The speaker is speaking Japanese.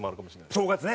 正月ね。